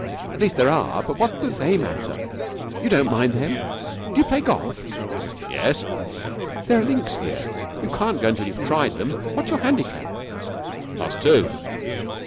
At least, there are; but what do they matter? You don't mind them. Do you play golf?' 'Yes.' 'There are links here. You can't go until you've tried them. What is your handicap?' 'Plus two.'